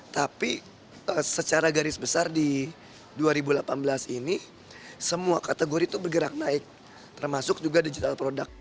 tapi secara garis besar di dua ribu delapan belas ini semua kategori itu bergerak naik termasuk juga digital product